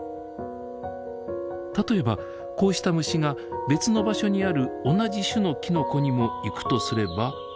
例えばこうした虫が別の場所にある同じ種のきのこにも行くとすれば。